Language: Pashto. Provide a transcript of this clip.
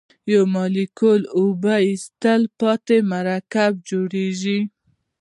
د یو مالیکول اوبو ایستلو په پایله کې مرکب جوړیږي.